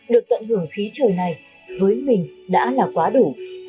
được tận hưởng khí trời này với mình đã là quá đủ